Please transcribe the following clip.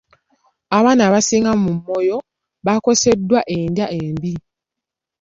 Abaana abasinga mu Moyo bakoseddwa endya embi.